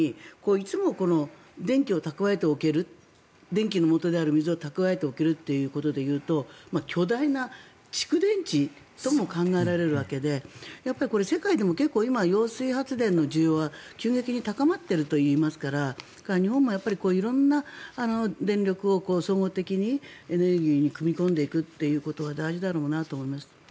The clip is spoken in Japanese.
いつも、電気を蓄えて置ける電気のもとである水を蓄えておけるということで言うと巨大な蓄電池とも考えられるわけで世界でも結構、今揚水発電の需要は、急激に高まっているといいますから日本もやっぱり色んな電力を、総合的にエネルギーに組み込んでいくということは大事だろうなと思います。